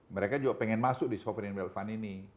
mereka juga pengen masuk di souvening wealth fund ini